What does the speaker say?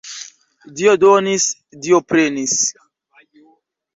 Dio donis, Dio prenis.